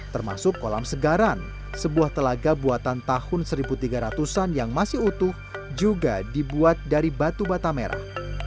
termasuk kolam segaran sebuah telaga buatan tahun seribu tiga ratus an yang masih utuh juga dibuat dari batu bata merah